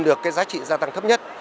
được cái giá trị gia tăng thấp nhất